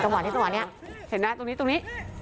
เห็นนะตรงนี้